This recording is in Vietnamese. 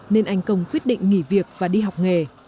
nên anh công quyết định nghỉ việc và đi học nghề